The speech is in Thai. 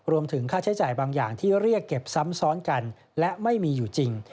รวมถึงค่าใช้จ่ายบางอย่างที่เรียกเก็บซ้ำซ้อนกันและไม่มีอยู่จริง